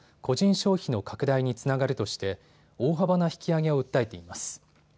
消費の拡大につながるとして大幅な引き上げを訴えています。